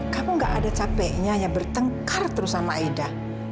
kamu gak ada capeknya ya bertengkar terus sama aida